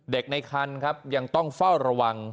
ในคันครับยังต้องเฝ้าระวัง